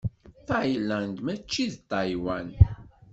Ṭayland mačči d Ṭaywan.